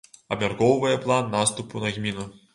Абмяркоўвае план наступу на гміну.